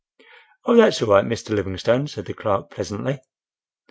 "Oh! that's all right, Mr. Livingstone," said the clerk, pleasantly.